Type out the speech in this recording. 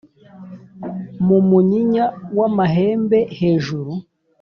mu munyinya w'amahembe hejuru